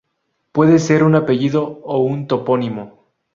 Puede ser un apellido o un topónimo.